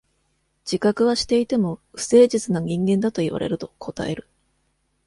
自覚はしていても、不誠実な人間だと言われると応える。